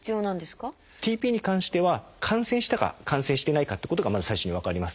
ＴＰに関しては感染したか感染してないかってことがまず最初に分かります。